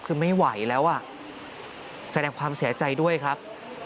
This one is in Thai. คือไม่ไหวแล้วอ่ะแสดงความเสียใจด้วยครับ